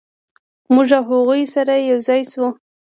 موږ او هغوی سره یو ځای شوو.